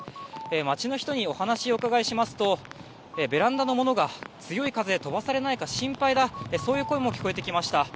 街の人にお話を伺いますとベランダのものが強い風で飛ばされないか心配だとそういう声も聞こえてきました。